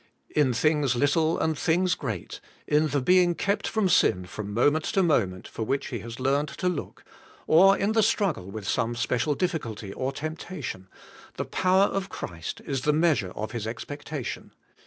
In things little and things great, in the being kept from sin from moment to moment for which he has learned to look, or in the struggle 212 ABIDE IN CHRIST: with some special diflBculty or temptation, the potver of Christ is the measure of his expectation.